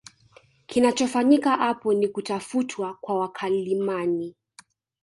Kinachofanyika apo ni kutafutwa kwa wakalimani